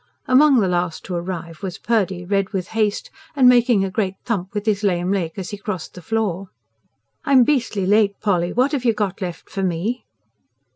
Among the last to arrive was Purdy, red with haste, and making a great thump with his lame leg as he crossed the floor. "I'm beastly late, Polly. What have you got left for me?"